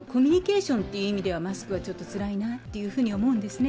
ですからコミュニケーションっていう意味ではマスクはつらいなって思うんですね。